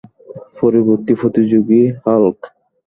পরবর্তী প্রতিযোগিঃ হাল্ক।